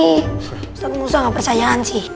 ustaz musa enggak percayaan sih